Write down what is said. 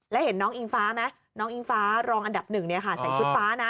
แล้วเห็นน้องอิงฟ้าไหมน้องอิงฟ้ารองอันดับหนึ่งใส่ชุดฟ้านะ